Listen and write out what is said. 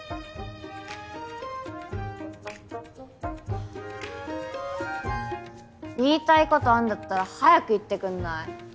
ハァ言いたいことあんだったら早く言ってくんない？